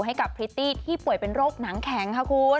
ให้กับพริตตี้ที่ป่วยเป็นโรคหนังแข็งค่ะคุณ